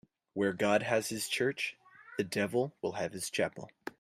Where God has his church, the devil will have his chapel.